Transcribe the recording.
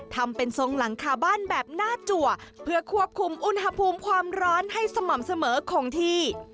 ทำเป็นทรงหลังคาบ้านแบบหน้าจัวเพื่อควบคุมอุณหภูมิความร้อนให้สม่ำเสมอของที่